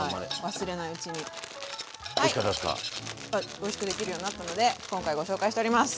おいしくできるようになったので今回ご紹介しております！